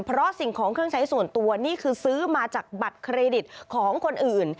เพราะสิ่งของเครื่องใช้ส่วนตัวนี่คือซื้อมาจากบัตรเครดิตของคนอื่น